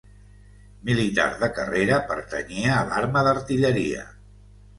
Militar de carrera, pertanyia a l'arma d'artilleria.